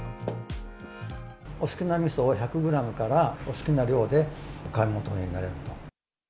お好きなみそを、１００グラムからお好きな量でお買い求めになれると。